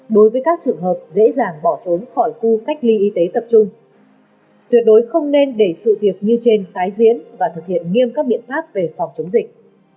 đối với các trường hợp dễ dàng bỏ trốn khỏi khu cách ly y tế tập trung tuyệt đối không nên để sự việc như trên tái diễn và thực hiện nghiêm các biện pháp về phòng chống dịch